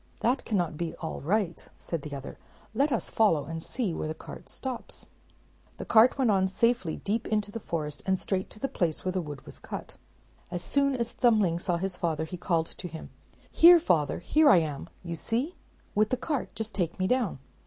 "That cannot be all right," said the other: "let us follow and see where the cart stops." The cart went on safely deep into the forest, and straight to the place where the wood was cut. As soon as Thumbling saw his father, he called to him, "Here, father; here I am, you see, with the cart; just take me down."